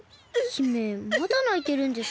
姫まだないてるんですか？